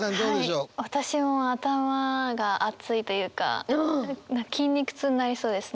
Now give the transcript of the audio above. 私も頭が熱いというか筋肉痛になりそうです。